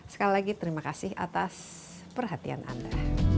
sekali lagi terima kasih atas perhatian anda